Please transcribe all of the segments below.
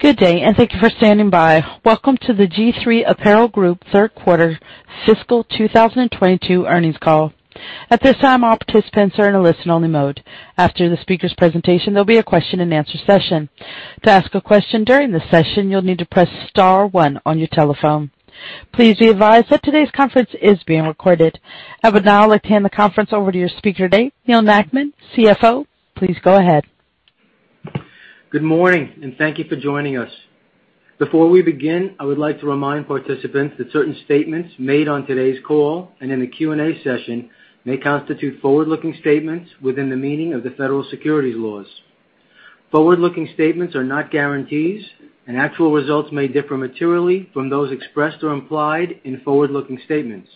Good day, and thank you for standing by. Welcome to the G-III Apparel Group third quarter fiscal 2022 earnings call. At this time, all participants are in a listen-only mode. After the speaker's presentation, there'll be a question-and-answer session. To ask a question during the session, you'll need to press star one on your telephone. Please be advised that today's conference is being recorded. I would now like to hand the conference over to your speaker today, Neal Nackman, CFO. Please go ahead. Good morning, and thank you for joining us. Before we begin, I would like to remind participants that certain statements made on today's call and in the Q&A session may constitute forward-looking statements within the meaning of the federal securities laws. Forward-looking statements are not guarantees, and actual results may differ materially from those expressed or implied in forward-looking statements.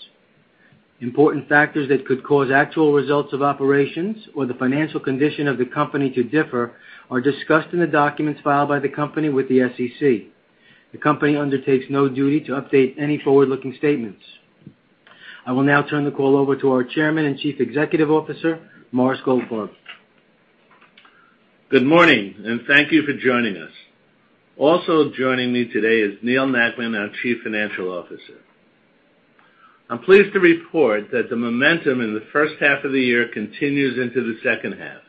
Important factors that could cause actual results of operations or the financial condition of the company to differ are discussed in the documents filed by the company with the SEC. The company undertakes no duty to update any forward-looking statements. I will now turn the call over to our Chairman and Chief Executive Officer, Morris Goldfarb. Good morning, and thank you for joining us. Also joining me today is Neal Nackman, our Chief Financial Officer. I'm pleased to report that the momentum in the first half of the year continues into the second half.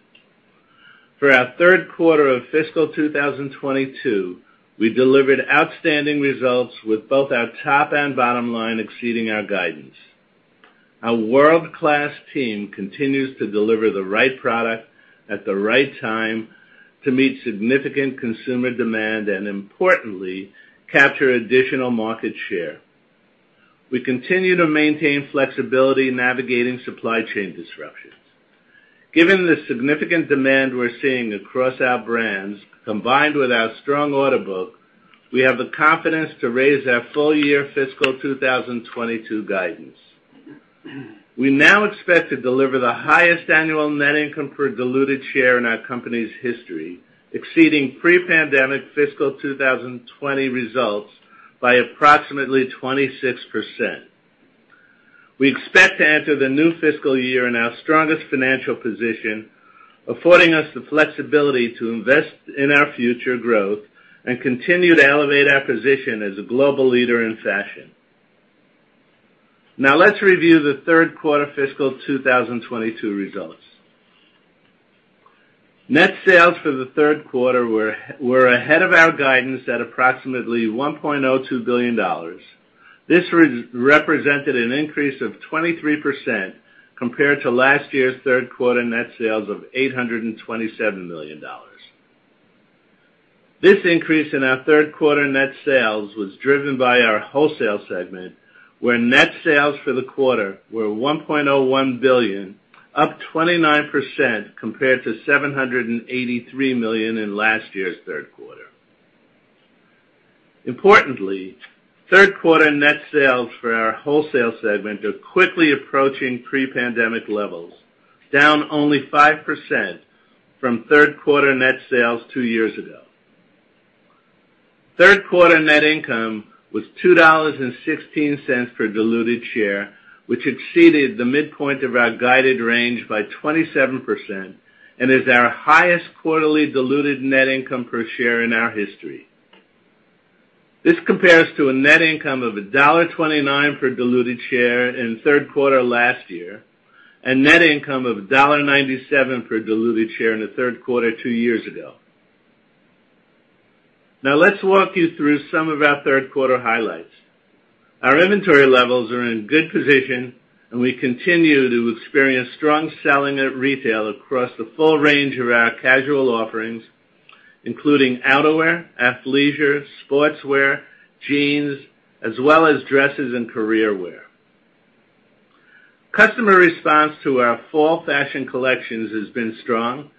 For our third quarter of fiscal 2022, we delivered outstanding results with both our top and bottom line exceeding our guidance. Our world-class team continues to deliver the right product at the right time to meet significant consumer demand and, importantly, capture additional market share. We continue to maintain flexibility navigating supply chain disruptions. Given the significant demand we're seeing across our brands, combined with our strong order book, we have the confidence to raise our full-year fiscal 2022 guidance. We now expect to deliver the highest annual net income per diluted share in our company's history, exceeding pre-pandemic fiscal 2020 results by approximately 26%. We expect to enter the new fiscal year in our strongest financial position, affording us the flexibility to invest in our future growth and continue to elevate our position as a global leader in fashion. Now let's review the third quarter fiscal 2022 results. Net sales for the third quarter were ahead of our guidance at approximately $1.02 billion. This represented an increase of 23% compared to last year's third quarter net sales of $827 million. This increase in our third quarter net sales was driven by our wholesale segment, where net sales for the quarter were $1.01 billion, up 29% compared to $783 million in last year's third quarter. Importantly, third quarter net sales for our wholesale segment are quickly approaching pre-pandemic levels, down only 5% from third quarter net sales two years ago. Third quarter net income was $2.16 per diluted share, which exceeded the midpoint of our guided range by 27% and is our highest quarterly diluted net income per share in our history. This compares to a net income of $1.29 per diluted share in third quarter last year and net income of $1.97 per diluted share in the third quarter two years ago. Now let's walk you through some of our third quarter highlights. Our inventory levels are in good position, and we continue to experience strong selling at retail across the full range of our casual offerings, including outerwear, athleisure, sportswear, jeans, as well as dresses and career wear. Customer response to our fall fashion collections has been strong,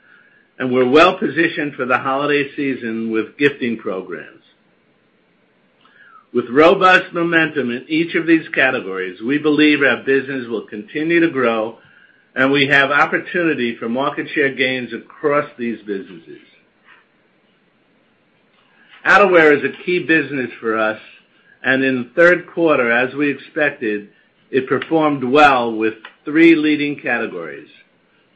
and we're well-positioned for the holiday season with gifting programs. With robust momentum in each of these categories, we believe our business will continue to grow, and we have opportunity for market share gains across these businesses. Outerwear is a key business for us, and in the third quarter, as we expected, it performed well. Three leading categories: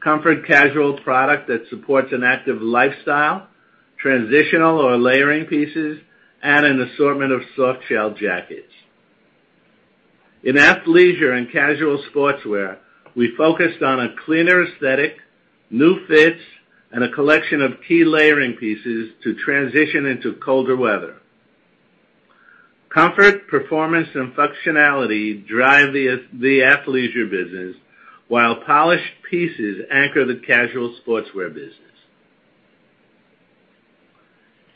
comfort casual product that supports an active lifestyle, transitional or layering pieces, and an assortment of soft shell jackets. In athleisure and casual sportswear, we focused on a cleaner aesthetic, new fits, and a collection of key layering pieces to transition into colder weather. Comfort, performance, and functionality drive the athleisure business, while polished pieces anchor the casual sportswear business.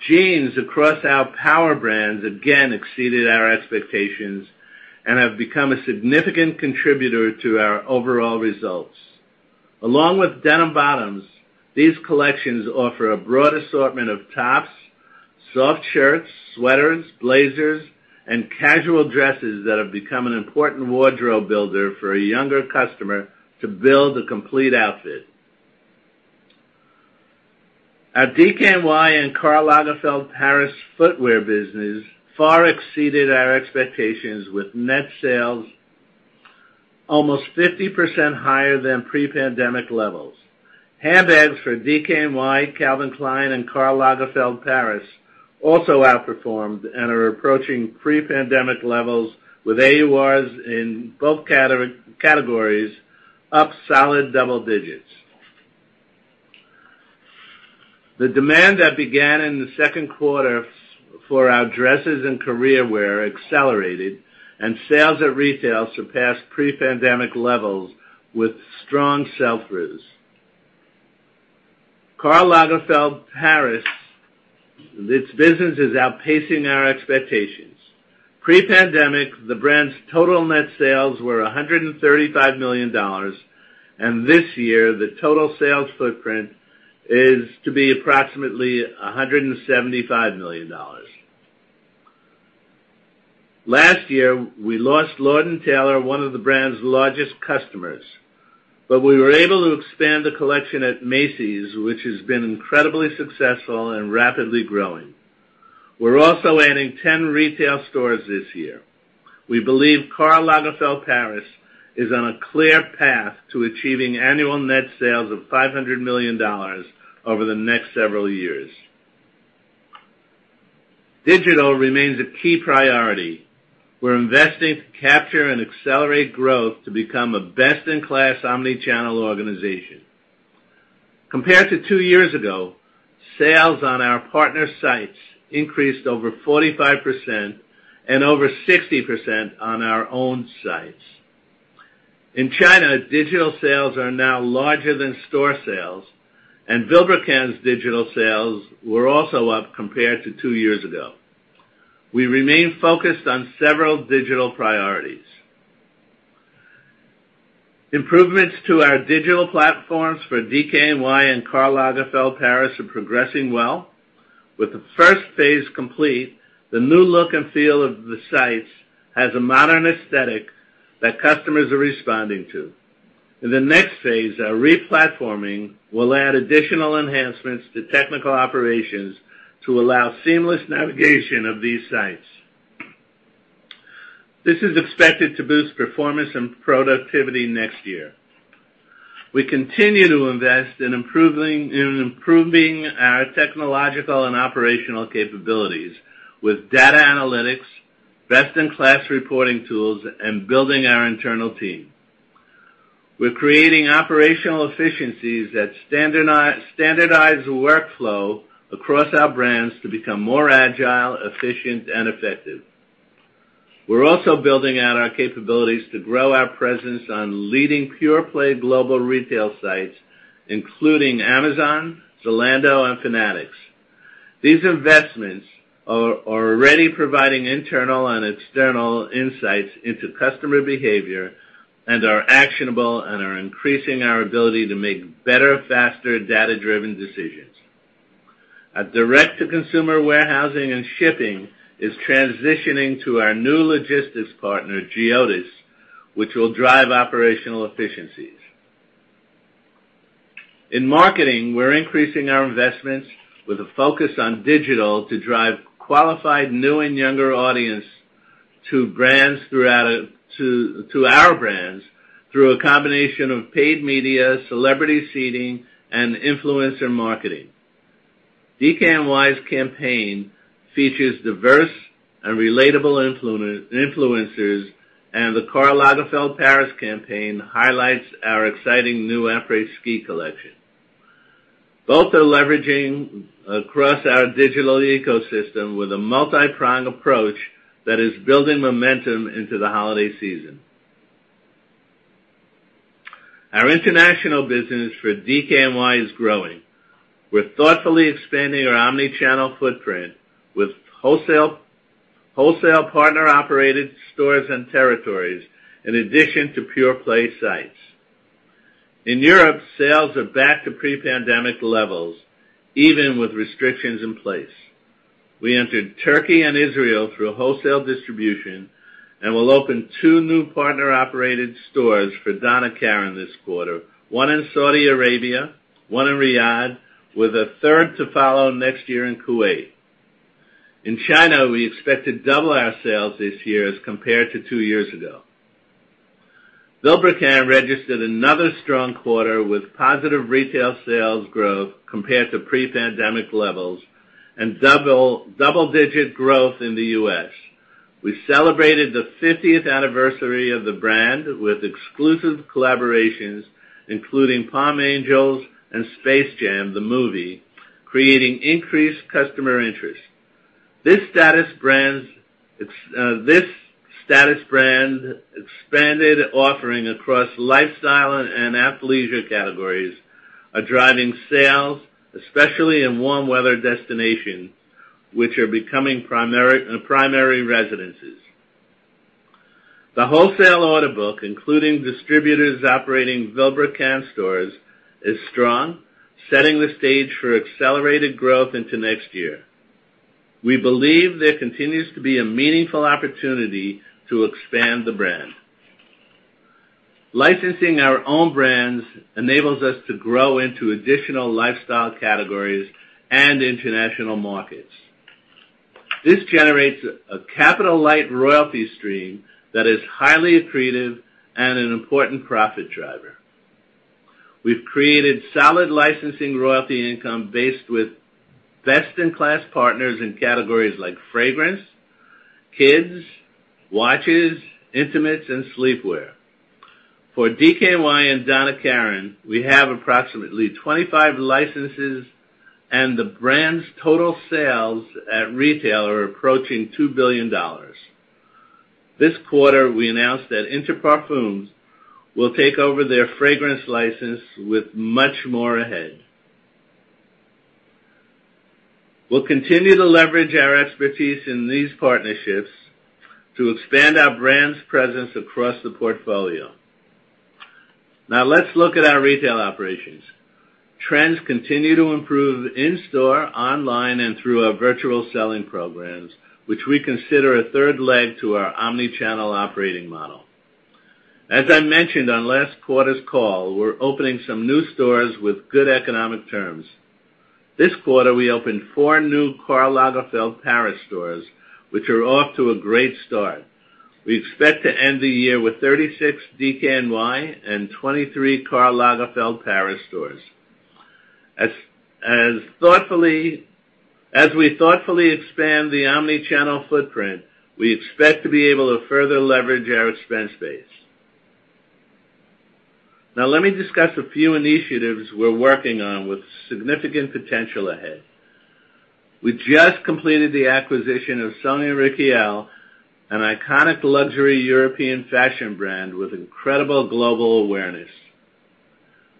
Jeans across our power brands again exceeded our expectations and have become a significant contributor to our overall results. Along with denim bottoms, these collections offer a broad assortment of tops, soft shirts, sweaters, blazers, and casual dresses that have become an important wardrobe builder for a younger customer to build a complete outfit. Our DKNY and Karl Lagerfeld Paris footwear business far exceeded our expectations, with net sales almost 50% higher than pre-pandemic levels. Handbags for DKNY, Calvin Klein, and Karl Lagerfeld Paris also outperformed and are approaching pre-pandemic levels with AURs in both categories up solid double digits. The demand that began in the second quarter for our dresses and career wear accelerated and sales at retail surpassed pre-pandemic levels with strong sell-throughs. Karl Lagerfeld Paris, this business is outpacing our expectations. Pre-pandemic, the brand's total net sales were $135 million, and this year the total sales footprint is to be approximately $175 million. Last year, we lost Lord & Taylor, one of the brand's largest customers. We were able to expand the collection at Macy's, which has been incredibly successful and rapidly growing. We're also adding 10 retail stores this year. We believe Karl Lagerfeld Paris is on a clear path to achieving annual net sales of $500 million over the next several years. Digital remains a key priority. We're investing to capture and accelerate growth to become a best-in-class omni-channel organization. Compared to two years ago, sales on our partner sites increased over 45% and over 60% on our own sites. In China, digital sales are now larger than store sales, and Vilebrequin's digital sales were also up compared to two years ago. We remain focused on several digital priorities. Improvements to our digital platforms for DKNY and Karl Lagerfeld Paris are progressing well. With the first phase complete, the new look and feel of the sites has a modern aesthetic that customers are responding to. In the next phase, our re-platforming will add additional enhancements to technical operations to allow seamless navigation of these sites. This is expected to boost performance and productivity next year. We continue to invest in improving our technological and operational capabilities with data analytics, best-in-class reporting tools, and building our internal team. We're creating operational efficiencies that standardize the workflow across our brands to become more agile, efficient, and effective. We're also building out our capabilities to grow our presence on leading pure-play global retail sites, including Amazon, Zalando, and Fanatics. These investments are already providing internal and external insights into customer behavior and are actionable and are increasing our ability to make better, faster, data-driven decisions. Our direct-to-consumer warehousing and shipping is transitioning to our new logistics partner, GEODIS, which will drive operational efficiencies. In marketing, we're increasing our investments with a focus on digital to drive qualified new and younger audience to our brands through a combination of paid media, celebrity seeding, and influencer marketing. DKNY's campaign features diverse and relatable influencers, and the Karl Lagerfeld Paris campaign highlights our exciting new après-ski collection. Both are leveraging across our digital ecosystem with a multi-pronged approach that is building momentum into the holiday season. Our international business for DKNY is growing. We're thoughtfully expanding our omni-channel footprint with wholesale partner-operated stores and territories in addition to pure-play sites. In Europe, sales are back to pre-pandemic levels, even with restrictions in place. We entered Turkey and Israel through a wholesale distribution and will open two new partner-operated stores for Donna Karan this quarter, one in Saudi Arabia, one in Riyadh, with a third to follow next year in Kuwait. In China, we expect to double our sales this year as compared to two years ago. Vilebrequin registered another strong quarter with positive retail sales growth compared to pre-pandemic levels and double-digit growth in the U.S. We celebrated the 50th anniversary of the brand with exclusive collaborations, including Palm Angels and Space Jam, the movie, creating increased customer interest. This status brand expanded offering across lifestyle and athleisure categories are driving sales, especially in warm weather destinations, which are becoming primary residences. The wholesale order book, including distributors operating Vilebrequin stores, is strong, setting the stage for accelerated growth into next year. We believe there continues to be a meaningful opportunity to expand the brand. Licensing our own brands enables us to grow into additional lifestyle categories and international markets. This generates a capital-light royalty stream that is highly accretive and an important profit driver. We've created solid licensing royalty income based with best-in-class partners in categories like fragrance, kids, watches, intimates, and sleepwear. For DKNY and Donna Karan, we have approximately 25 licenses, and the brand's total sales at retail are approaching $2 billion. This quarter, we announced that Inter Parfums will take over their fragrance license with much more ahead. We'll continue to leverage our expertise in these partnerships to expand our brand's presence across the portfolio. Now let's look at our retail operations. Trends continue to improve in-store, online, and through our virtual selling programs, which we consider a third leg to our omni-channel operating model. As I mentioned on last quarter's call, we're opening some new stores with good economic terms. This quarter, we opened four new Karl Lagerfeld Paris stores, which are off to a great start. We expect to end the year with 36 DKNY and 23 Karl Lagerfeld Paris stores. As we thoughtfully expand the omni-channel footprint, we expect to be able to further leverage our expense base. Now let me discuss a few initiatives we're working on with significant potential ahead. We just completed the acquisition of Sonia Rykiel, an iconic luxury European fashion brand with incredible global awareness.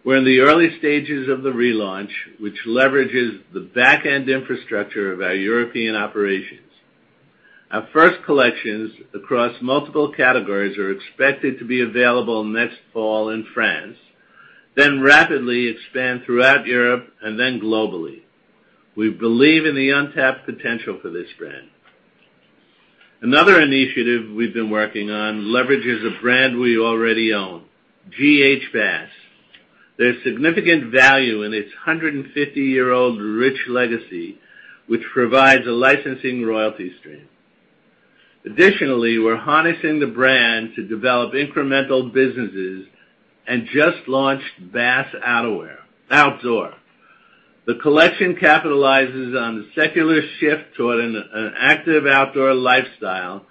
We're in the early stages of the relaunch, which leverages the back-end infrastructure of our European operations. Our first collections across multiple categories are expected to be available next fall in France, then rapidly expand throughout Europe and then globally. We believe in the untapped potential for this brand. Another initiative we've been working on leverages a brand we already own, G.H. Bass. There's significant value in its 150-year-old rich legacy, which provides a licensing royalty stream. Additionally, we're harnessing the brand to develop incremental businesses and just launched Bass Outdoor. The collection capitalizes on the secular shift toward an active outdoor lifestyle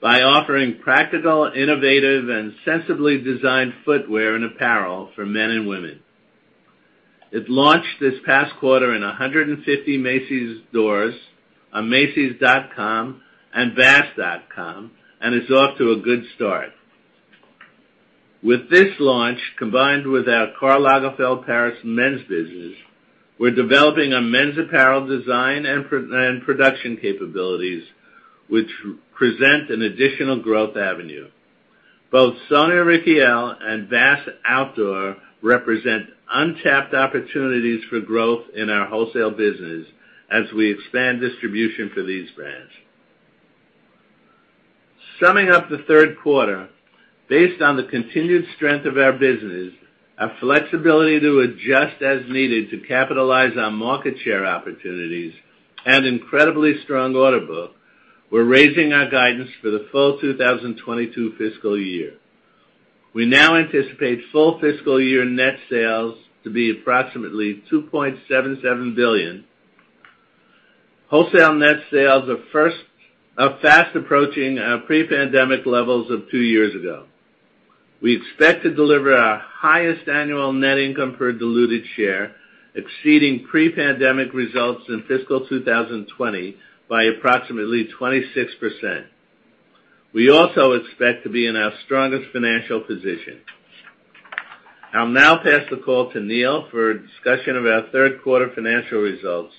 by offering practical, innovative, and sensibly designed footwear and apparel for men and women. It launched this past quarter in 150 Macy's stores on macys.com and bass.com, and it's off to a good start. With this launch, combined with our Karl Lagerfeld Paris men's business, we're developing a men's apparel design and product and production capabilities which represent an additional growth avenue. Both Sonia Rykiel and Bass Outdoor represent untapped opportunities for growth in our wholesale business as we expand distribution for these brands. Summing up the third quarter, based on the continued strength of our business, our flexibility to adjust as needed to capitalize on market share opportunities, and incredibly strong order book, we're raising our guidance for the full 2022 fiscal year. We now anticipate full fiscal year net sales to be approximately $2.77 billion. Wholesale net sales are fast approaching our pre-pandemic levels of two years ago. We expect to deliver our highest annual net income per diluted share, exceeding pre-pandemic results in fiscal 2020 by approximately 26%. We also expect to be in our strongest financial position. I'll now pass the call to Neal for a discussion of our third quarter financial results,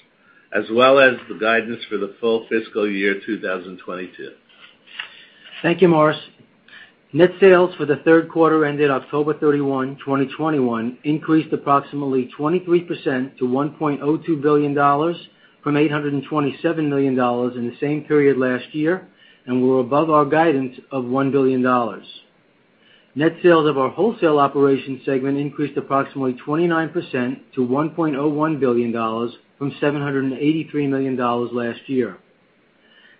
as well as the guidance for the full fiscal year 2022. Thank you, Morris. Net sales for the third quarter ended October 31, 2021 increased approximately 23% to $1.02 billion from $827 million in the same period last year and were above our guidance of $1 billion. Net sales of our wholesale operation segment increased approximately 29% to $1.01 billion from $783 million last year.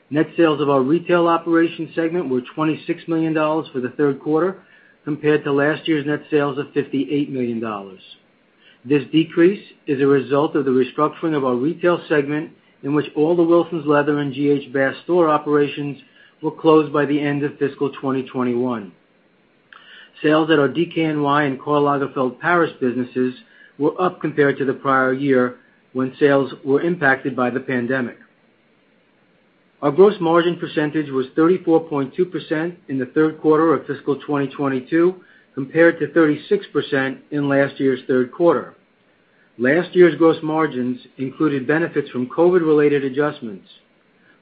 Net sales of our retail operation segment were $26 million for the third quarter compared to last year's net sales of $58 million. This decrease is a result of the restructuring of our retail segment in which all the Wilsons Leather and G.H. Bass store operations were closed by the end of fiscal 2021. Sales at our DKNY and Karl Lagerfeld Paris businesses were up compared to the prior year when sales were impacted by the pandemic. Our gross margin percentage was 34.2% in the third quarter of fiscal 2022 compared to 36% in last year's third quarter. Last year's gross margins included benefits from COVID-related adjustments.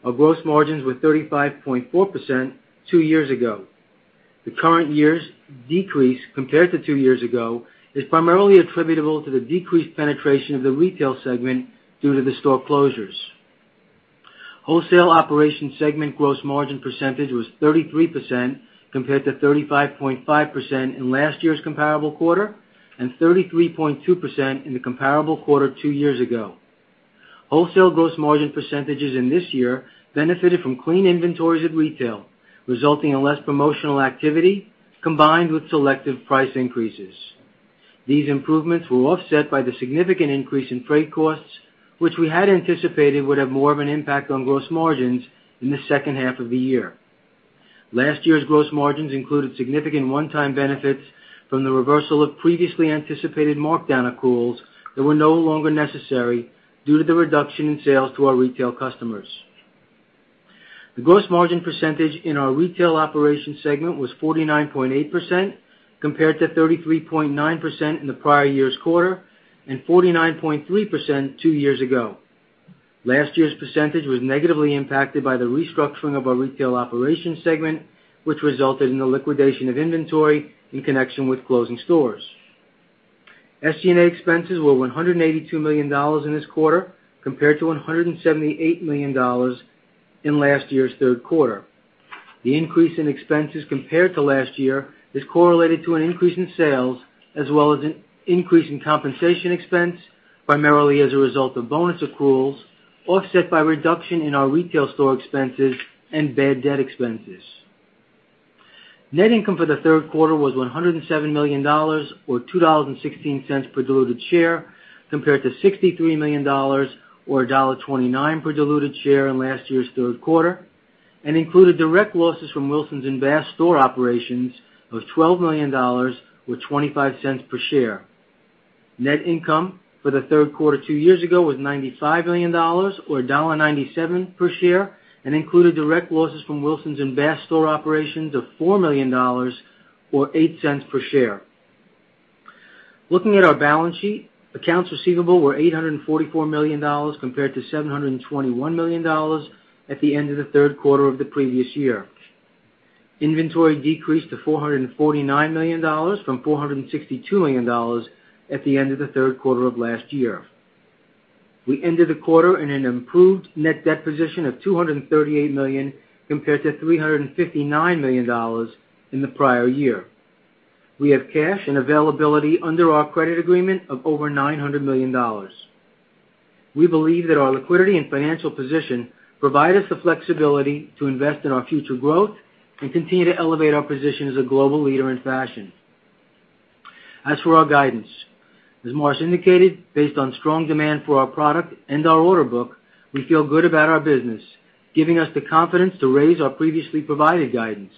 Our gross margins were 35.4% two years ago. The current year's decrease compared to two years ago is primarily attributable to the decreased penetration of the retail segment due to the store closures. Wholesale operation segment gross margin percentage was 33% compared to 35.5% in last year's comparable quarter and 33.2% in the comparable quarter two years ago. Wholesale gross margin percentages in this year benefited from clean inventories at retail, resulting in less promotional activity combined with selective price increases. These improvements were offset by the significant increase in freight costs, which we had anticipated would have more of an impact on gross margins in the second half of the year. Last year's gross margins included significant one-time benefits from the reversal of previously anticipated markdown accruals that were no longer necessary due to the reduction in sales to our retail customers. The gross margin percentage in our retail operations segment was 49.8%, compared to 33.9% in the prior year's quarter and 49.3% two years ago. Last year's percentage was negatively impacted by the restructuring of our retail operations segment, which resulted in the liquidation of inventory in connection with closing stores. SG&A expenses were $182 million in this quarter, compared to $178 million in last year's third quarter. The increase in expenses compared to last year is correlated to an increase in sales, as well as an increase in compensation expense, primarily as a result of bonus accruals, offset by reduction in our retail store expenses and bad debt expenses. Net income for the third quarter was $107 million, or $2.16 per diluted share, compared to $63 million or $1.29 per diluted share in last year's third quarter, and included direct losses from Wilsons and Bass store operations of $12 million, or $0.25 per share. Net income for the third quarter two years ago was $95 million or $1.97 per share, and included direct losses from Wilsons and Bass store operations of $4 million or $0.08 per share. Looking at our balance sheet, accounts receivable were $844 million compared to $721 million at the end of the third quarter of the previous year. Inventory decreased to $449 million from $462 million at the end of the third quarter of last year. We ended the quarter in an improved net debt position of $238 million, compared to $359 million in the prior year. We have cash and availability under our credit agreement of over $900 million. We believe that our liquidity and financial position provide us the flexibility to invest in our future growth and continue to elevate our position as a global leader in fashion. As for our guidance, as Morris indicated, based on strong demand for our product and our order book, we feel good about our business, giving us the confidence to raise our previously provided guidance.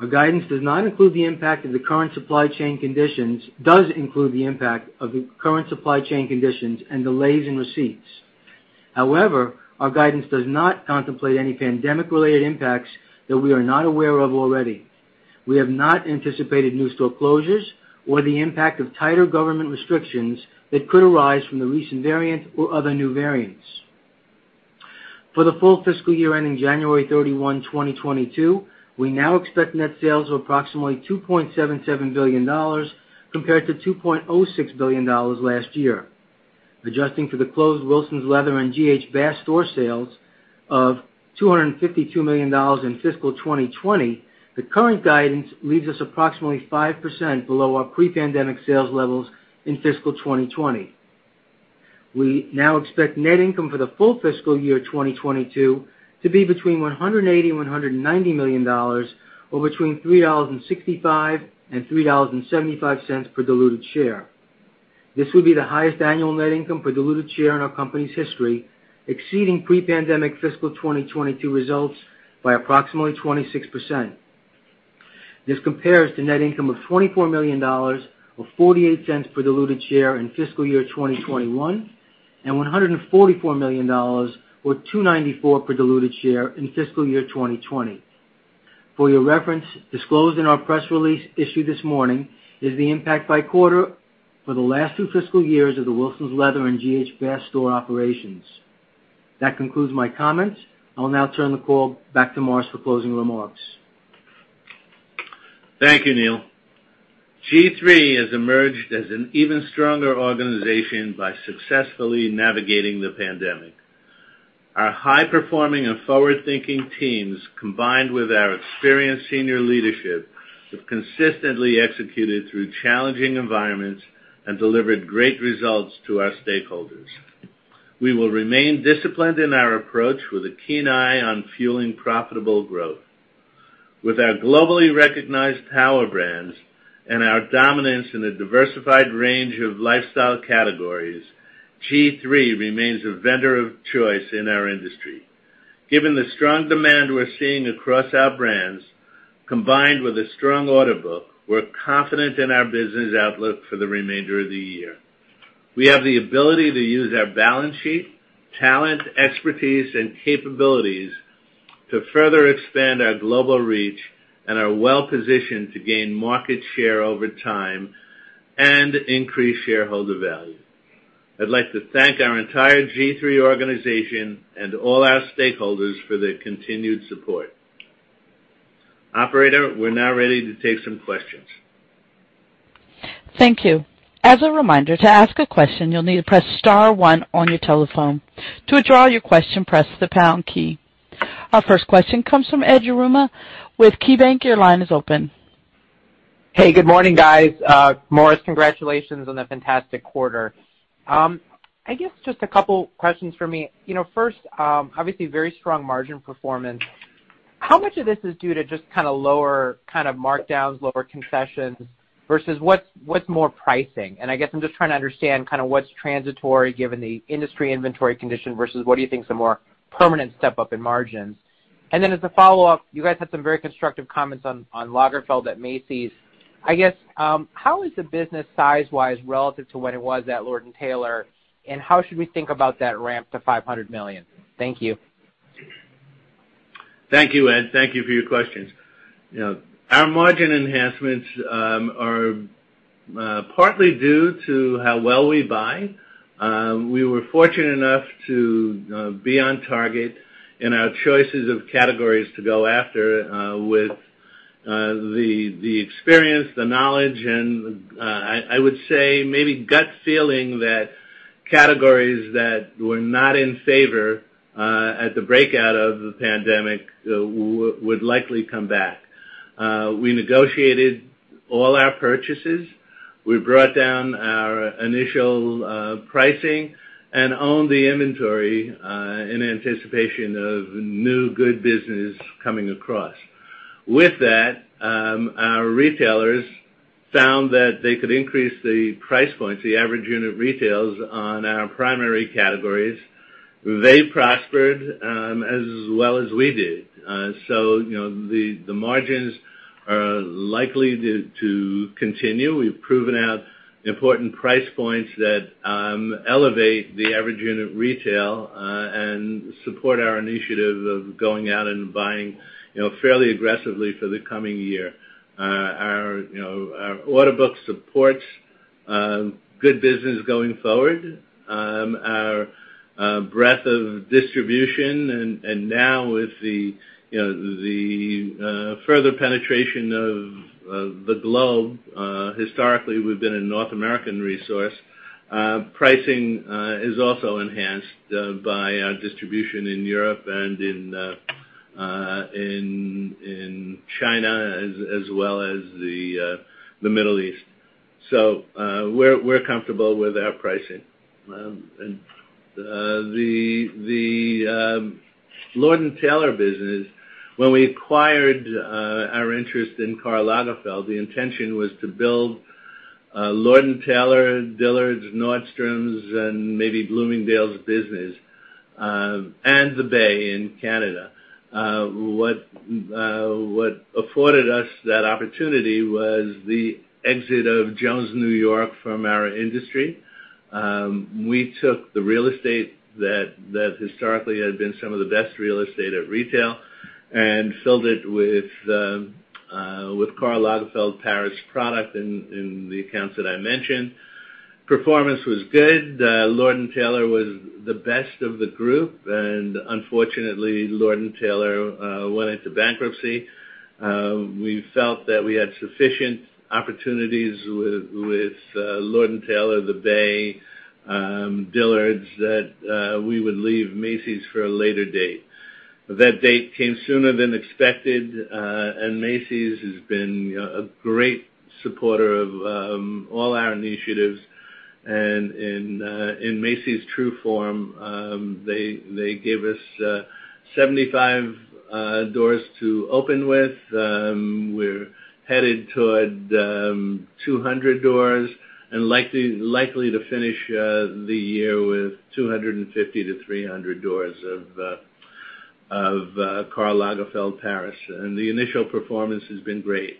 Our guidance does include the impact of the current supply chain conditions and delays in receipts. However, our guidance does not contemplate any pandemic-related impacts that we are not aware of already. We have not anticipated new store closures or the impact of tighter government restrictions that could arise from the recent variant or other new variants. For the full fiscal year ending January 31, 2022, we now expect net sales of approximately $2.77 billion compared to $2.06 billion last year. Adjusting for the closed Wilsons Leather and G.H. Bass store sales of $252 million in fiscal 2020, the current guidance leaves us approximately 5% below our pre-pandemic sales levels in fiscal 2020. We now expect net income for the full fiscal year 2022 to be between $180 million and $190 million or between $3.65 and $3.75 per diluted share. This will be the highest annual net income per diluted share in our company's history, exceeding pre-pandemic fiscal 2022 results by approximately 26%. This compares to net income of $24 million or $0.48 per diluted share in fiscal year 2021, and $144 million or $2.94 per diluted share in fiscal year 2020. For your reference, disclosed in our press release issued this morning is the impact by quarter for the last two fiscal years of the Wilsons Leather and G.H. Bass store operations. That concludes my comments. I'll now turn the call back to Morris Goldfarb for closing remarks. Thank you, Neal. G-III has emerged as an even stronger organization by successfully navigating the pandemic. Our high-performing and forward-thinking teams, combined with our experienced senior leadership, have consistently executed through challenging environments and delivered great results to our stakeholders. We will remain disciplined in our approach with a keen eye on fueling profitable growth. With our globally recognized power brands and our dominance in a diversified range of lifestyle categories, G-III remains a vendor of choice in our industry. Given the strong demand we're seeing across our brands, combined with a strong order book, we're confident in our business outlook for the remainder of the year. We have the ability to use our balance sheet, talent, expertise, and capabilities to further expand our global reach and are well-positioned to gain market share over time and increase shareholder value. I'd like to thank our entire G-III organization and all our stakeholders for their continued support. Operator, we're now ready to take some questions. Thank you. As a reminder, to ask a question, you'll need to press star one on your telephone. To withdraw your question, press the pound key. Our first question comes from Ed Yruma with KeyBanc. Your line is open. Hey, good morning, guys. Morris, congratulations on the fantastic quarter. I guess just a couple questions for me. You know first, obviously very strong margin performance. How much of this is due to just kinda lower kinda markdowns, lower concessions versus what's more pricing? And I guess I'm just trying to understand kinda what's transitory given the industry inventory condition versus what do you think is a more permanent step up in margins. And then as a follow-up, you guys had some very constructive comments on Lagerfeld at Macy's. I guess, how is the business size-wise relative to what it was at Lord & Taylor, and how should we think about that ramp to $500 million? Thank you. Thank you, Ed. Thank you for your questions. You know, our margin enhancements are partly due to how well we buy. We were fortunate enough to be on target in our choices of categories to go after with the experience, the knowledge, and I would say maybe gut feeling that categories that were not in favor at the breakout of the pandemic would likely come back. We negotiated all our purchases. We brought down our initial pricing and owned the inventory in anticipation of new good business coming across. With that, our retailers found that they could increase the price points, the average unit retails on our primary categories. They prospered as well as we did. You know, the margins are likely to continue. We've proven out important price points that elevate the average unit retail and support our initiative of going out and buying, you know, fairly aggressively for the coming year. Our, you know, our order book supports good business going forward. Our breadth of distribution and now with the, you know, the further penetration of the globe, historically we've been a North American resource, pricing is also enhanced by our distribution in Europe and in China as well as the Middle East. We're comfortable with our pricing. The Lord & Taylor business, when we acquired our interest in Karl Lagerfeld, the intention was to build Lord & Taylor, Dillard's, Nordstrom, and maybe Bloomingdale's business and the Bay in Canada. What afforded us that opportunity was the exit of Jones New York from our industry. We took the real estate that historically had been some of the best real estate at retail and filled it with Karl Lagerfeld Paris product in the accounts that I mentioned. Performance was good. Lord & Taylor was the best of the group, and unfortunately, Lord & Taylor went into bankruptcy. We felt that we had sufficient opportunities with Lord & Taylor, the Bay, Dillard's, that we would leave Macy's for a later date. That date came sooner than expected, and Macy's has been a great supporter of all our initiatives. In Macy's true form, they gave us 75 doors to open with. We're headed toward 200 doors and likely to finish the year with 250-300 doors of Karl Lagerfeld Paris. The initial performance has been great.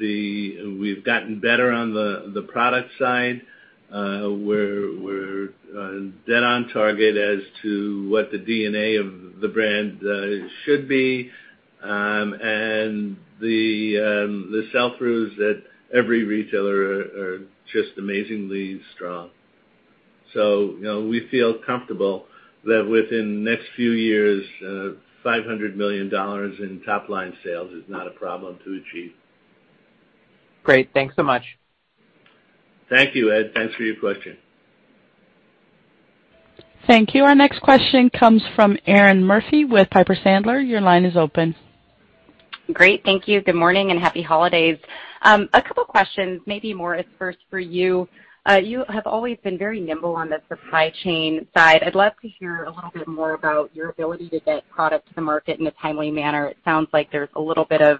We've gotten better on the product side. We're dead on target as to what the DNA of the brand should be. The sell-throughs at every retailer are just amazingly strong. You know, we feel comfortable that within the next few years, $500 million in top-line sales is not a problem to achieve. Great. Thanks so much. Thank you, Ed. Thanks for your question. Thank you. Our next question comes from Erinn Murphy with Piper Sandler. Your line is open. Great. Thank you. Good morning, and happy holidays. A couple questions, maybe more as first for you. You have always been very nimble on the supply chain side. I'd love to hear a little bit more about your ability to get product to the market in a timely manner. It sounds like there's a little bit of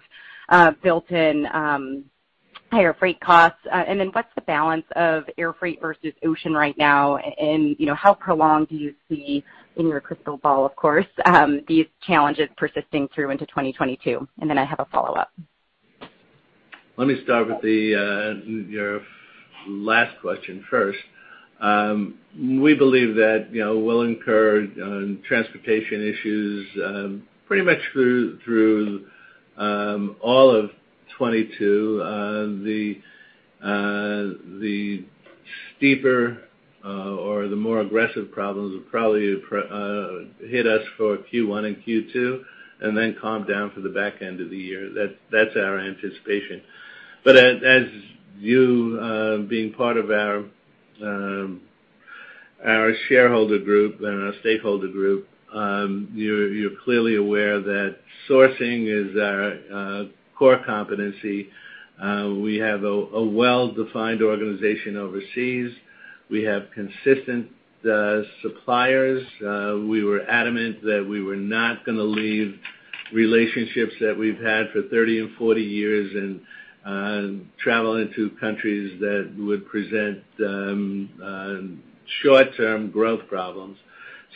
built in higher freight costs. Then what's the balance of airfreight versus ocean right now? You know, how prolonged do you see in your crystal ball, of course, these challenges persisting through into 2022? Then I have a follow-up. Let me start with your last question first. We believe that, you know, we'll incur transportation issues pretty much through all of 2022. The steeper or the more aggressive problems will probably hit us for Q1 and Q2, and then calm down for the back end of the year. That's our anticipation. As you, being part of our shareholder group and our stakeholder group, you're clearly aware that sourcing is our core competency. We have a well-defined organization overseas. We have consistent suppliers. We were adamant that we were not gonna leave relationships that we've had for 30 and 40 years and travel into countries that would present short-term growth problems.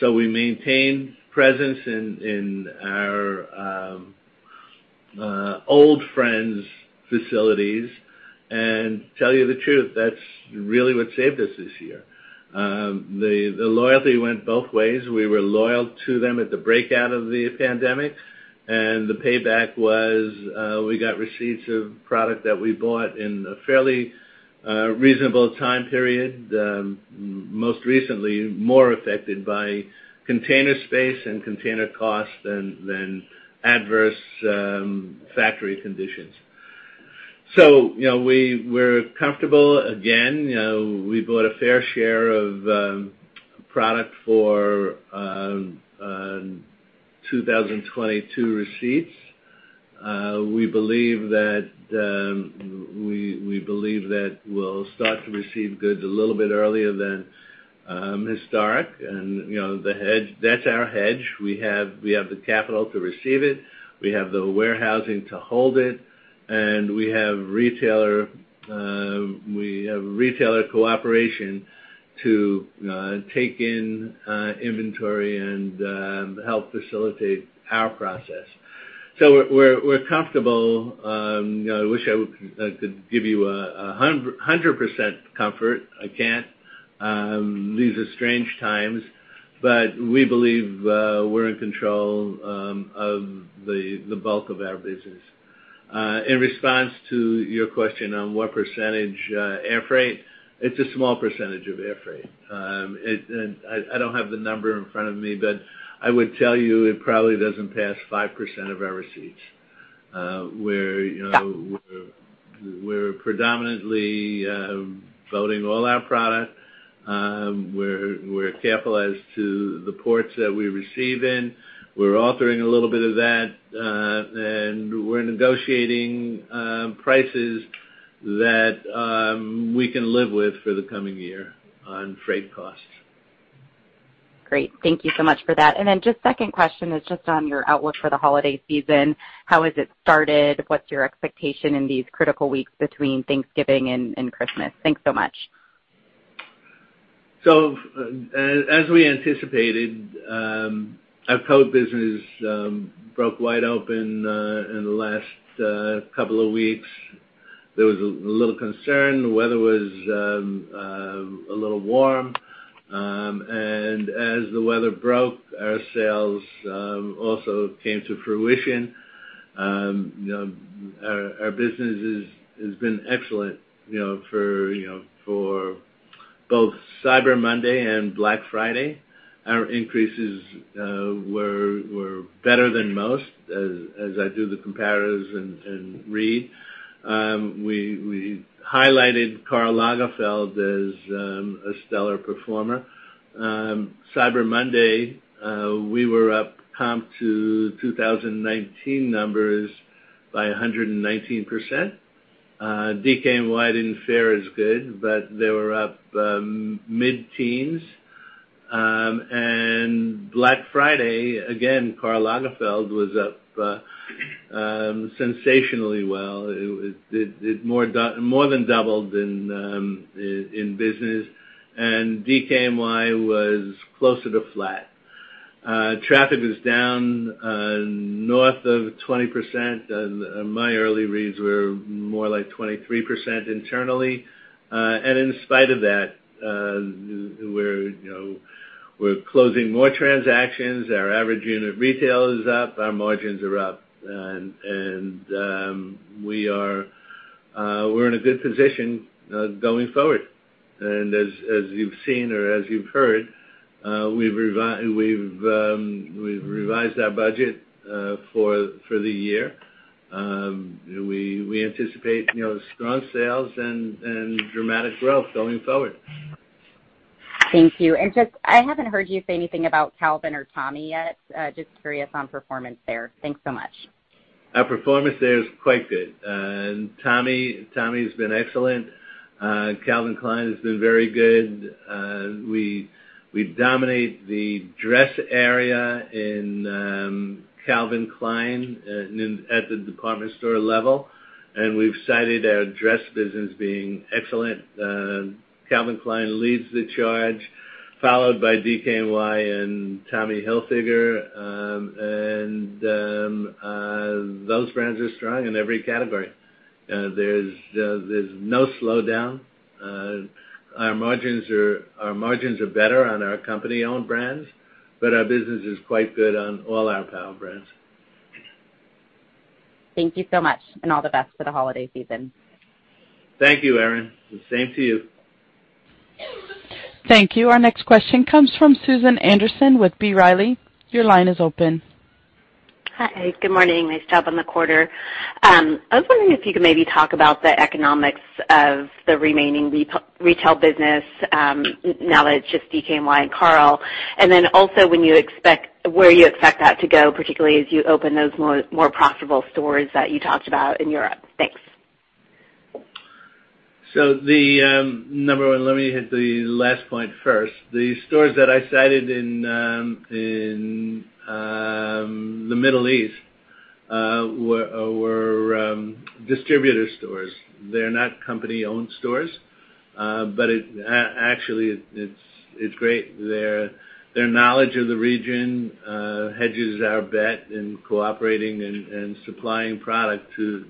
We maintained presence in our old friends' facilities. Tell you the truth, that's really what saved us this year. The loyalty went both ways. We were loyal to them at the outbreak of the pandemic, and the payback was, we got receipts of product that we bought in a fairly reasonable time period. Most recently, more affected by container space and container costs than adverse factory conditions. You know, we're comfortable again. You know, we bought a fair share of product for 2022 receipts. We believe that we'll start to receive goods a little bit earlier than historic. You know, that's our hedge. We have the capital to receive it, we have the warehousing to hold it, and we have retailer cooperation to take in inventory and help facilitate our process. We're comfortable. You know, I wish I could give you a 100% comfort. I can't. These are strange times, but we believe we're in control of the bulk of our business. In response to your question on what percentage air freight, it's a small percentage of air freight. I don't have the number in front of me, but I would tell you it probably doesn't pass 5% of our receipts. You know, we're predominantly floating all our product. We're capitalized to the ports that we receive in. We're altering a little bit of that, and we're negotiating prices that we can live with for the coming year on freight costs. Great. Thank you so much for that. Just second question is just on your outlook for the holiday season. How has it started? What's your expectation in these critical weeks between Thanksgiving and Christmas? Thanks so much. As we anticipated, our coat business broke wide open in the last couple of weeks. There was a little concern. The weather was a little warm. As the weather broke, our sales also came to fruition. You know, our business has been excellent, you know, for both Cyber Monday and Black Friday. Our increases were better than most as I do the comparators and read. We highlighted Karl Lagerfeld as a stellar performer. Cyber Monday, we were up comp to 2019 numbers by 119%. DKNY didn't fare as good, but they were up mid-teens. Black Friday, again, Karl Lagerfeld was up sensationally well. It more than doubled in business, and DKNY was closer to flat. Traffic is down north of 20%. My early reads were more like 23% internally. In spite of that, we're, you know, closing more transactions. Our average unit retail is up, our margins are up, and we're in a good position going forward. As you've seen or as you've heard, we've revised our budget for the year. We anticipate, you know, strong sales and dramatic growth going forward. Thank you. Just I haven't heard you say anything about Calvin or Tommy yet. Just curious on performance there. Thanks so much. Our performance there is quite good. Tommy's been excellent. Calvin Klein has been very good. We dominate the dress area in Calvin Klein at the department store level, and we've cited our dress business being excellent. Calvin Klein leads the charge, followed by DKNY and Tommy Hilfiger. Those brands are strong in every category. There's no slowdown. Our margins are better on our company-owned brands, but our business is quite good on all our power brands. Thank you so much, and all the best for the holiday season. Thank you, Erinn. The same to you. Thank you. Our next question comes from Susan Anderson with B. Riley. Your line is open. Hi, good morning. Nice job on the quarter. I was wondering if you could maybe talk about the economics of the remaining retail business, now that it's just DKNY and Karl. Then also where you expect that to go, particularly as you open those more profitable stores that you talked about in Europe. Thanks. Number one, let me hit the last point first. The stores that I cited in the Middle East were distributor stores. They're not company-owned stores. Actually it's great. Their knowledge of the region hedges our bet in cooperating and supplying product to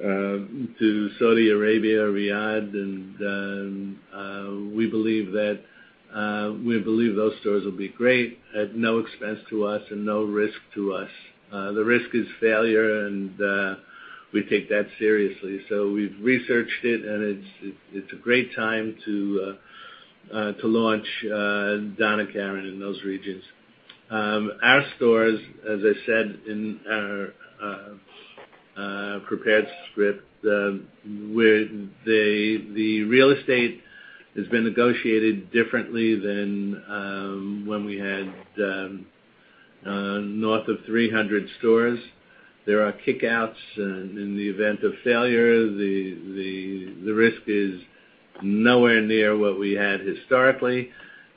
Saudi Arabia, Riyadh. We believe those stores will be great at no expense to us and no risk to us. The risk is failure, and we take that seriously. We've researched it, and it's a great time to launch Donna Karan in those regions. Our stores, as I said in our prepared script, the real estate has been negotiated differently than when we had north of 300 stores. There are kick-outs in the event of failure. The risk is nowhere near what we had historically.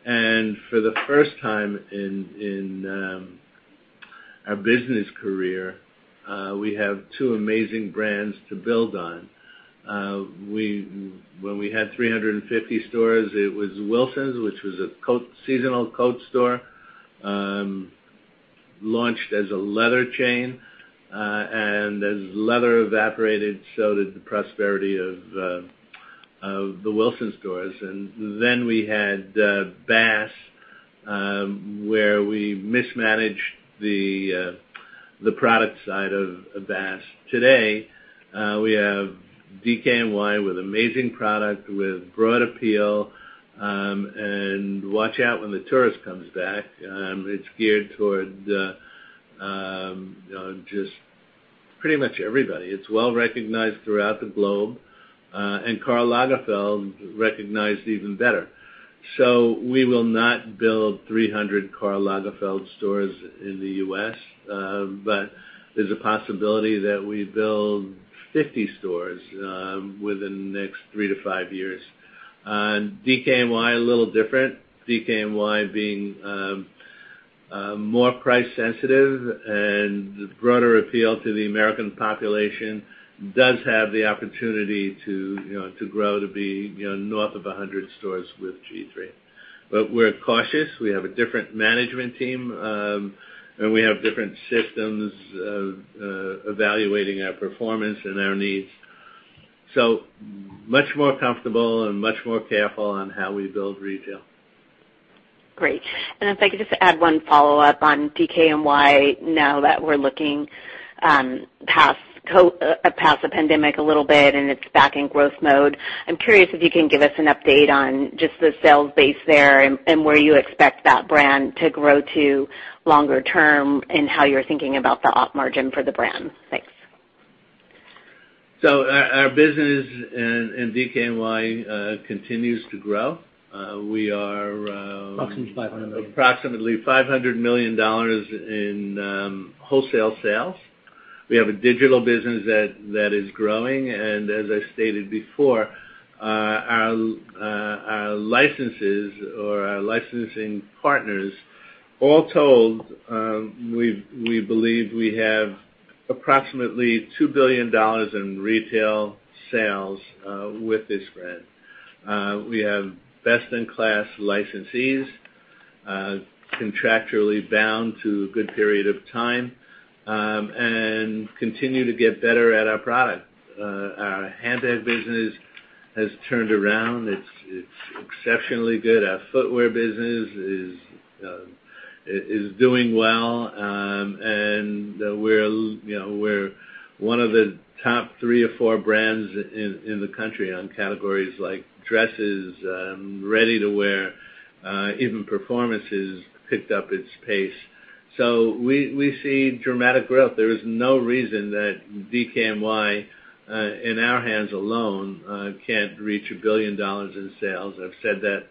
For the first time in our business career, we have two amazing brands to build on. When we had 350 stores, it was Wilsons, which was a seasonal coat store, launched as a leather chain. As leather evaporated, so did the prosperity of the Wilsons stores. Then we had Bass, where we mismanaged the product side of Bass. Today, we have DKNY with amazing product, with broad appeal, and watch out when the tourist comes back. It's geared toward, just pretty much everybody. It's well-recognized throughout the globe, and Karl Lagerfeld recognized even better. We will not build 300 Karl Lagerfeld stores in the U.S., but there's a possibility that we build 50 stores, within the next 3 to 5 years. DKNY a little different. DKNY being, more price sensitive and broader appeal to the American population does have the opportunity to, you know, to grow to be, you know, north of 100 stores with G-III. But we're cautious. We have a different management team, and we have different systems, evaluating our performance and our needs. Much more comfortable and much more careful on how we build retail. Great. If I could just add one follow-up on DKNY now that we're looking past the pandemic a little bit and it's back in growth mode. I'm curious if you can give us an update on just the sales base there and where you expect that brand to grow to longer term and how you're thinking about the op margin for the brand. Thanks. Our business in DKNY continues to grow. We are approximately $500 million in wholesale sales. We have a digital business that is growing. As I stated before, our licensing partners, all told, we believe we have approximately $2 billion in retail sales with this brand. We have best-in-class licensees, contractually bound to a good period of time, and continue to get better at our product. Our handbag business has turned around. It's exceptionally good. Our footwear business is doing well. We're, you know, one of the top three or four brands in the country on categories like dresses, ready-to-wear, even performance has picked up its pace. We see dramatic growth. There is no reason that DKNY, in our hands alone, can't reach $1 billion in sales. I've said that.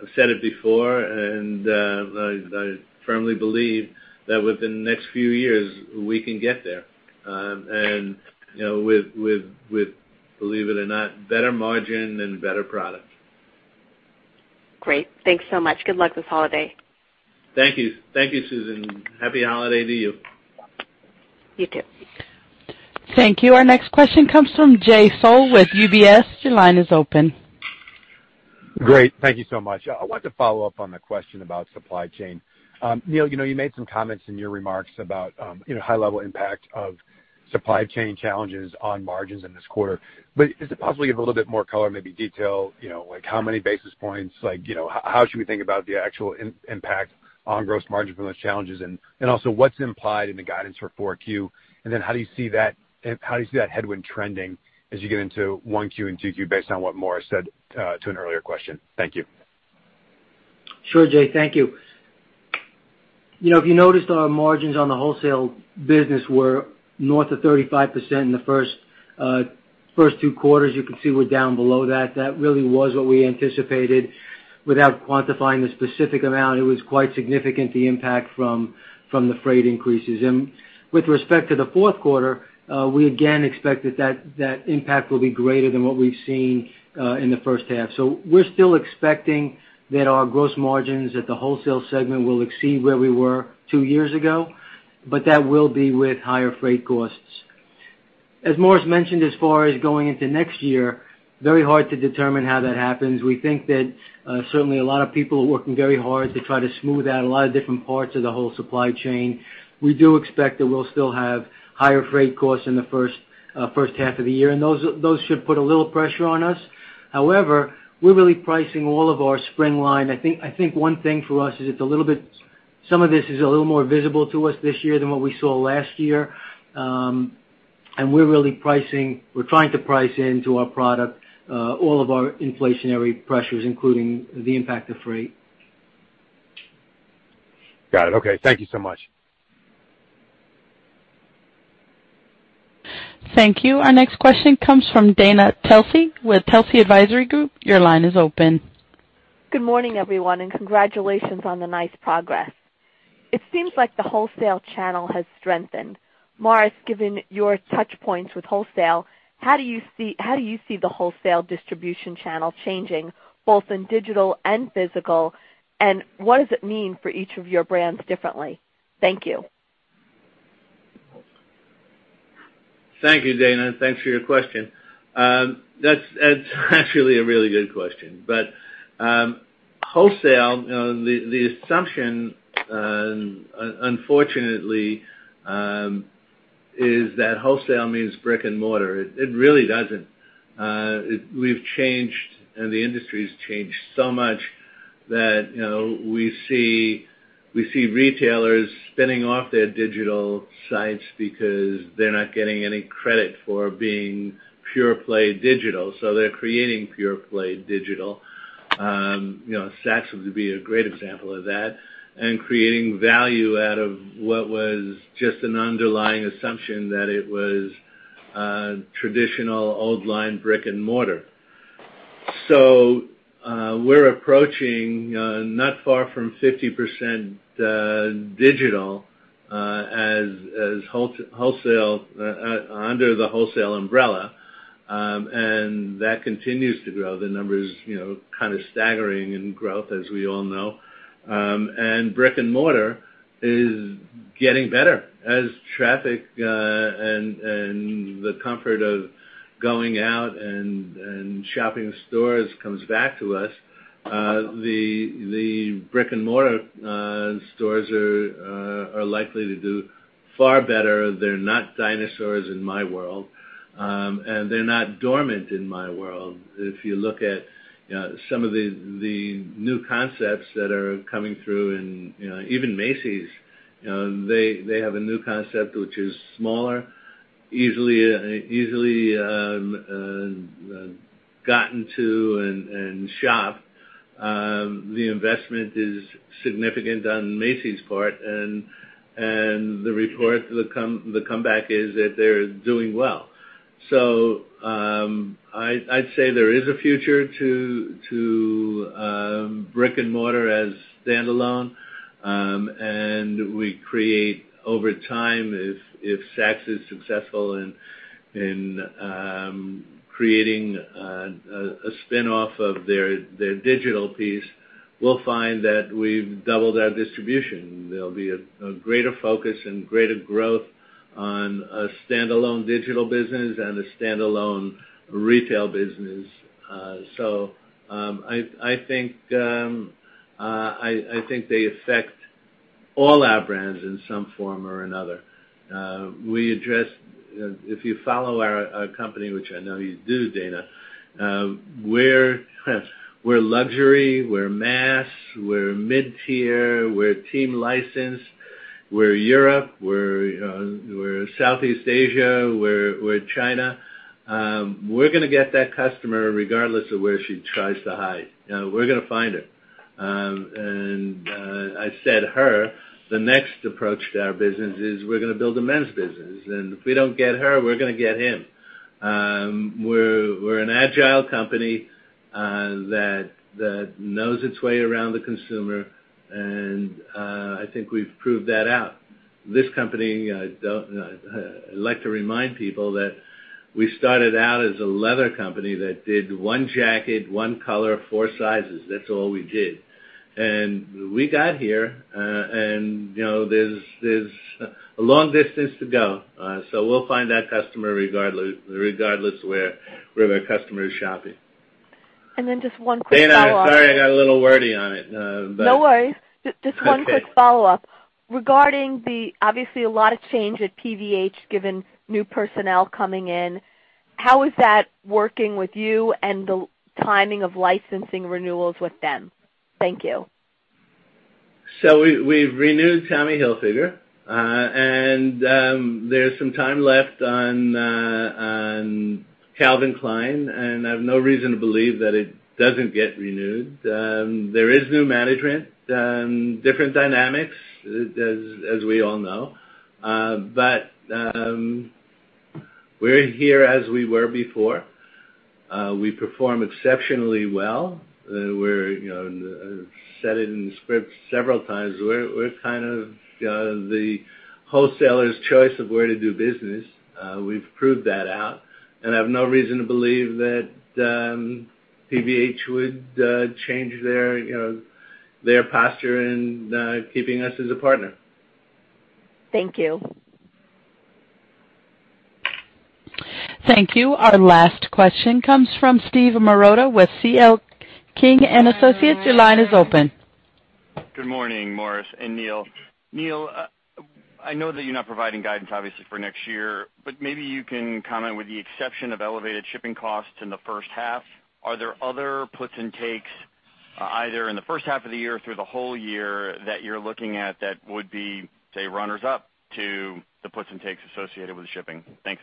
I've said it before, and I firmly believe that within the next few years we can get there. You know, with believe it or not, better margin and better product. Great. Thanks so much. Good luck this holiday. Thank you. Thank you, Susan. Happy holiday to you. You too. Thank you. Our next question comes from Jay Sole with UBS. Your line is open. Great. Thank you so much. I want to follow up on the question about supply chain. Neal, you know, you made some comments in your remarks about, you know, high level impact of supply chain challenges on margins in this quarter. But just to possibly give a little bit more color, maybe detail, you know, like how many basis points, like, you know, how should we think about the actual impact on gross margin from those challenges? And also what's implied in the guidance for 4Q? And then how do you see that headwind trending as you get into 1Q and 2Q based on what Morris said to an earlier question? Thank you. Sure, Jay. Thank you. You know, if you noticed our margins on the wholesale business were north of 35% in the first two quarters, you can see we're down below that. That really was what we anticipated. Without quantifying the specific amount, it was quite significant, the impact from the freight increases. With respect to the fourth quarter, we again expect that impact will be greater than what we've seen in the first half. We're still expecting that our gross margins at the wholesale segment will exceed where we were two years ago, but that will be with higher freight costs. As Morris mentioned, as far as going into next year, very hard to determine how that happens. We think that certainly a lot of people are working very hard to try to smooth out a lot of different parts of the whole supply chain. We do expect that we'll still have higher freight costs in the first half of the year, and those should put a little pressure on us. However, we're really pricing all of our spring line. I think one thing for us is it's a little bit, some of this is a little more visible to us this year than what we saw last year, and we're trying to price into our product all of our inflationary pressures, including the impact of freight. Got it. Okay. Thank you so much. Thank you. Our next question comes from Dana Telsey with Telsey Advisory Group. Your line is open. Good morning, everyone, and congratulations on the nice progress. It seems like the wholesale channel has strengthened. Morris, given your touch points with wholesale, how do you see the wholesale distribution channel changing, both in digital and physical? What does it mean for each of your brands differently? Thank you. Thank you, Dana. Thanks for your question. That's actually a really good question. Wholesale, you know, the assumption, unfortunately, is that wholesale means brick-and-mortar. It really doesn't. We've changed, and the industry's changed so much that, you know, we see retailers spinning off their digital sites because they're not getting any credit for being pure play digital, so they're creating pure play digital. You know, Saks would be a great example of that, and creating value out of what was just an underlying assumption that it was traditional old line brick-and-mortar. We're approaching not far from 50% digital as wholesale under the wholesale umbrella, and that continues to grow. The number is, you know, kind of staggering in growth as we all know. Brick-and-mortar is getting better as traffic and the comfort of going out and shopping in stores comes back to us. The brick-and-mortar stores are likely to do far better. They're not dinosaurs in my world, and they're not dormant in my world. If you look at some of the new concepts that are coming through and, you know, even Macy's, you know, they have a new concept which is smaller, easily gotten to and shopped. The investment is significant on Macy's part and the comeback is that they're doing well. I'd say there is a future to brick-and-mortar as standalone. We create over time if Saks is successful in creating a spinoff of their digital piece, we'll find that we've doubled our distribution. There'll be a greater focus and greater growth on a standalone digital business and a standalone retail business. I think they affect all our brands in some form or another. If you follow our company, which I know you do, Dana, we're luxury, we're mass, we're mid-tier, we're team licensed, we're Europe, we're Southeast Asia, we're China. We're gonna get that customer regardless of where she tries to hide. You know, we're gonna find her. I said her. The next approach to our business is we're gonna build a men's business. If we don't get her, we're gonna get him. We're an agile company that knows its way around the consumer, and I think we've proved that out. This company, I like to remind people that we started out as a leather company that did one jacket, one color, four sizes. That's all we did. We got here, and you know, there's a long distance to go. We'll find that customer regardless where the customer is shopping. Just one quick follow-up. Dana, I'm sorry I got a little wordy on it, but. No worries. Okay. Just one quick follow-up. Regarding there's obviously a lot of change at PVH given new personnel coming in, how is that working with you and the timing of licensing renewals with them? Thank you. We've renewed Tommy Hilfiger. There's some time left on Calvin Klein, and I have no reason to believe that it doesn't get renewed. There is new management, different dynamics as we all know. We're here as we were before. We perform exceptionally well. You know, said it in the script several times, we're kind of the wholesaler's choice of where to do business. We've proved that out, and I have no reason to believe that PVH would change their, you know, their posture in keeping us as a partner. Thank you. Thank you. Our last question comes from Steve Marotta with C.L. King & Associates. Your line is open. Good morning, Morris and Neal. Neal, I know that you're not providing guidance obviously for next year, but maybe you can comment with the exception of elevated shipping costs in the first half, are there other puts and takes either in the first half of the year through the whole year that you're looking at that would be, say, runners-up to the puts and takes associated with shipping? Thanks.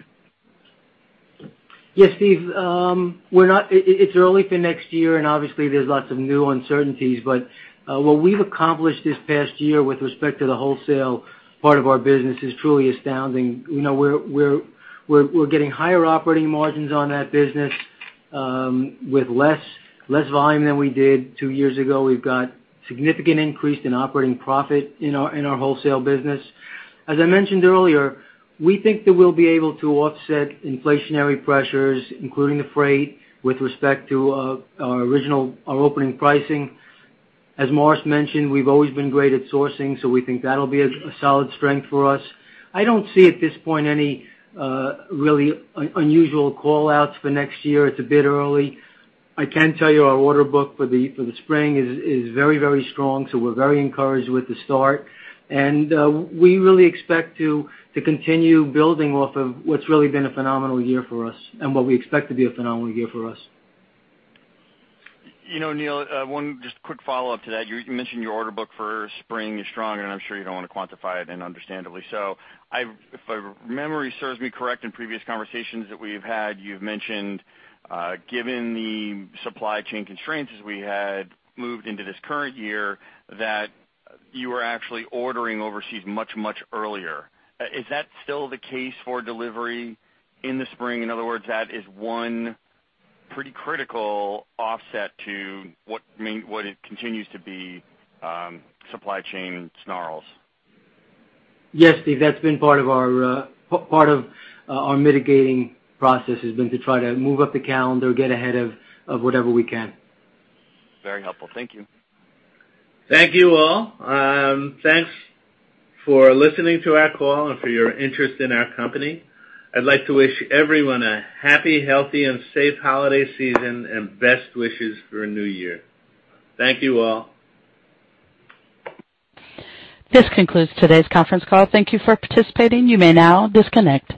Yes, Steve. It's early for next year, and obviously there's lots of new uncertainties. What we've accomplished this past year with respect to the wholesale part of our business is truly astounding. You know, we're getting higher operating margins on that business, with less volume than we did two years ago. We've got significant increase in operating profit in our wholesale business. As I mentioned earlier, we think that we'll be able to offset inflationary pressures, including the freight with respect to our opening pricing. As Morris mentioned, we've always been great at sourcing, so we think that'll be a solid strength for us. I don't see at this point any really unusual call-outs for next year. It's a bit early. I can tell you our order book for the spring is very strong, so we're very encouraged with the start. We really expect to continue building off of what's really been a phenomenal year for us and what we expect to be a phenomenal year for us. You know, Neal, one just quick follow-up to that. You mentioned your order book for spring is strong, and I'm sure you don't wanna quantify it, and understandably so. If my memory serves me correct in previous conversations that we've had, you've mentioned, given the supply chain constraints as we had moved into this current year, that you were actually ordering overseas much, much earlier. Is that still the case for delivery in the spring? In other words, that is one pretty critical offset to what it continues to be, supply chain snarls. Yes, Steve, that's been part of our mitigating process has been to try to move up the calendar, get ahead of whatever we can. Very helpful. Thank you. Thank you, all. Thanks for listening to our call and for your interest in our company. I'd like to wish everyone a happy, healthy and safe holiday season and best wishes for a new year. Thank you all. This concludes today's conference call. Thank you for participating. You may now disconnect.